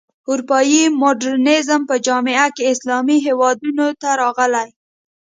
اروپايي مډرنیزم په جامه کې اسلامي هېوادونو ته راغی.